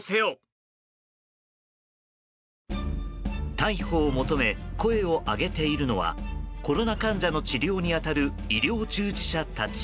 逮捕を求め声を上げているのはコロナ患者の治療に当たる医療従事者たち。